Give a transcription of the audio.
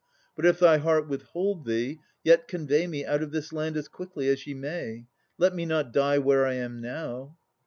But if thy heart withhold thee, yet convey me Out of this land as quickly as ye may. Let me not die where I am now.'